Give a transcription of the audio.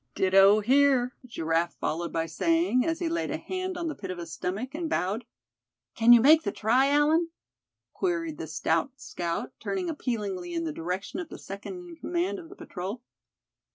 "Ditto here!" Giraffe followed by saying, as he laid a hand on the pit of his stomach, and bowed. "Can you make the try, Allan?" queried the stout scout, turning appealingly in the direction of the second in command of the patrol.